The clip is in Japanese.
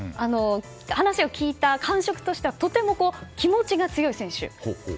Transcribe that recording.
話を聞いた感触としてはとても気持ちが強い選手。